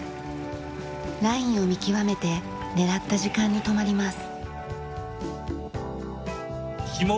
ラインを見極めて狙った時間に止まります。